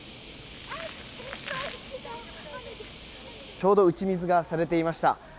ちょうど打ち水がされていました。